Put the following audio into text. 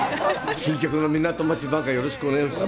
新曲の「港町挽歌」、よろしくお願いします。